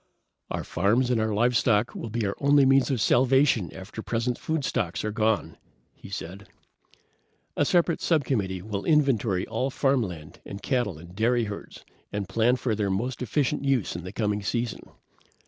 "Our farms and our livestock will be our only means of salvation after present food stocks are gone," he said. "A separate subcommittee will inventory all farmland and cattle and dairy herds and plan for their most efficient use in the coming season.